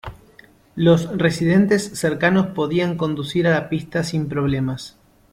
Los residentes cercanos podían conducir a la pista sin problemas.